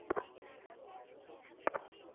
আনিস ছোট্ট একটি নিঃশ্বাস ফেলে উঠে পড়ল।